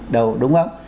đâu đúng không